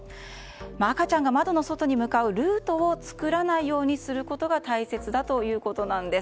赤ちゃんが窓の外に向かうルートを作らないようにすることが大切だということなんです。